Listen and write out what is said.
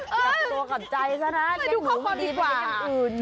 ตัวขับใจชะละเลี้ยงหนูไม่ดีไม่ได้อย่างอื่น